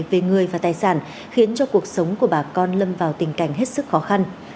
về người và tài sản khiến cho cuộc sống của bà con lâm vào tình cảnh hết sức khó khăn